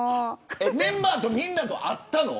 メンバーみんなと会ったの。